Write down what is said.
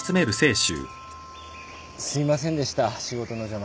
すいませんでした仕事の邪魔して。